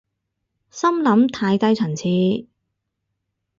心諗太低層次